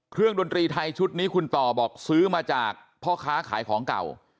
ดนตรีไทยชุดนี้คุณต่อบอกซื้อมาจากพ่อค้าขายของเก่า